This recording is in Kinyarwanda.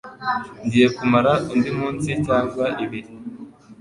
Ngiye kumara undi munsi cyangwa ibiri.